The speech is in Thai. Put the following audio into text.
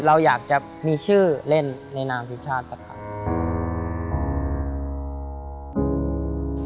เราอยากจะมีชื่อเล่นในนามทีมชาติสักครั้ง